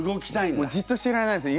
もうじっとしていられないんですよ